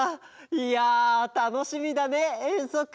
いやたのしみだねえんそく！